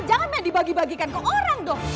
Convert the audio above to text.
jangan dibagi bagikan ke orang dong